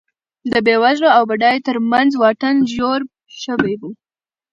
د بېوزلو او بډایو ترمنځ واټن ژور شوی و